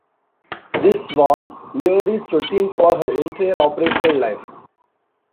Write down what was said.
This was "Leary"s routine for her entire operational life.